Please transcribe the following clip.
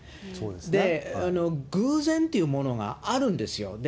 で、偶然というものがあるんですよ。